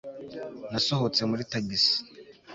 nasohotse muri tagisi